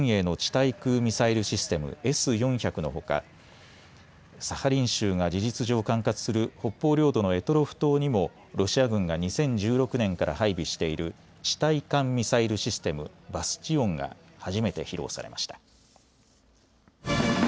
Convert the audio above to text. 対空ミサイルシステム、Ｓ４００のほかサハリン州が事実上、管轄する北方領土の択捉島にもロシア軍が２０１６年から配備している地対艦ミサイルシステム、バスチオンが初めて披露されました。